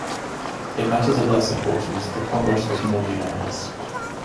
In matters of less importance the Congress was more unanimous.